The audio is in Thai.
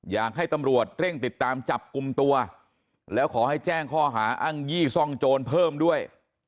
อยากให้ตำรวจเร่งติดตามจับกลุ่มตัวแล้วขอให้แจ้งข้อหาอ้างยี่ซ่องโจรเพิ่มด้วย